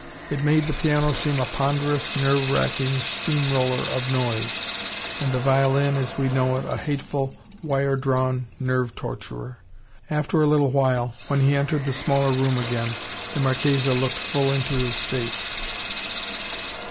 It made the piano seem a ponderous, nerve wracking steam roller of noise, and the violin, as we know it, a hateful wire drawn nerve torturer. After a little while, when he entered the smaller room again, the Marchesa looked full into his face.